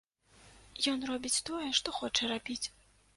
Ён робіць тое, што хоча рабіць.